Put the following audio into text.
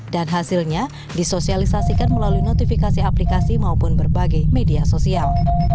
dan hasilnya disosialisasikan melalui notifikasi aplikasi maupun berbagai media sosial